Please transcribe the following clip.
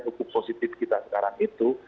hukum positif kita sekarang itu